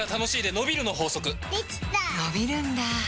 のびるんだ